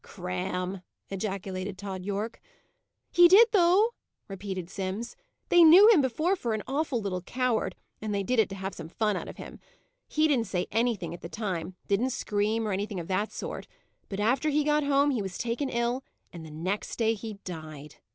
"Cram!" ejaculated Tod Yorke. "He did, though," repeated Simms. "They knew him before for an awful little coward, and they did it to have some fun out of him. He didn't say anything at the time; didn't scream, or anything of that sort; but after he got home he was taken ill, and the next day he died.